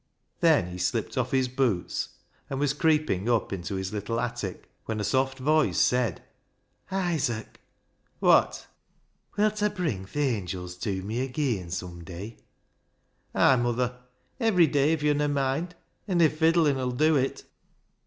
Then he slipped off his boots, and was creeping up into his little attic, when a soft voice said, " Isaac !" "Wot?" ISAAC'S ANGEL 269 " Wilta bring th' angils tew me ageean some day?" " Ay, muther ; ivery day if yo'n a moind an' if fiddlin' 'ull dew it."